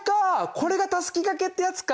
これがたすきがけってやつか。